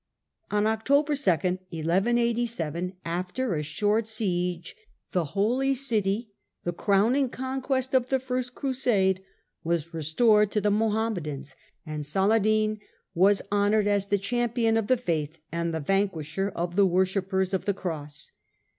On October 2nd, 1187, after a short siege, the Holy City, the crowning conquest of Capture of the F^irst Crusade, was restored to the Mohammedans, by the and Saladin .was honoured as the champion of the 2 "1187^''*" faith and the vanquisher of the worshippers of the cross.